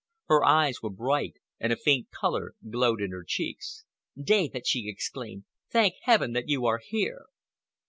Her eyes were bright, and a faint color glowed in her cheeks. "David," she exclaimed, "thank Heaven that you are here!"